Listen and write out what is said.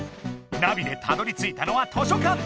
ナビでたどりついたのは図書かん。